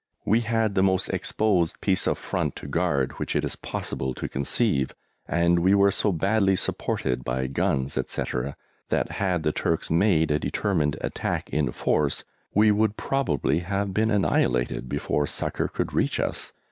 We had the most exposed piece of front to guard which it is possible to conceive, and we were so badly supported by guns, etc., that, had the Turks made a determined attack in force, we would probably have been annihilated before succour could reach us.